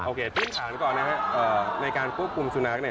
โอเคที่สุดก่อนนะครับในการควบคุมสุนัขนี่